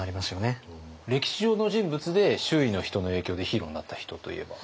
歴史上の人物で周囲の人の影響でヒーローになった人といえば？